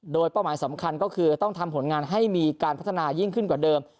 โดยเป้าหมายสำคัญก็คือต้องทำผลงานให้มีการพัฒนายิ่งขึ้นกว่าเดิม